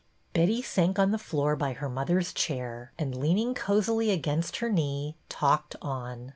Betty sank on the floor by her mother's chair, and, leaning cosily against her knee, talked on.